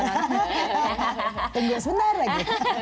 tunggu sebentar lagi